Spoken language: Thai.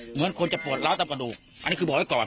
เหมือนคนจะปวดล้าวตามกระดูกอันนี้คือบอกไว้ก่อน